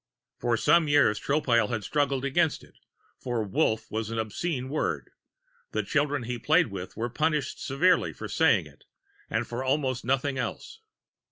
For some years, Tropile had struggled against it, for Wolf was an obscene word; the children he played with were punished severely for saying it, and for almost nothing else.